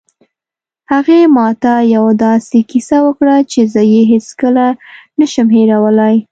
هغې ما ته یوه داسې کیسه وکړه چې زه یې هېڅکله نه شم هیرولی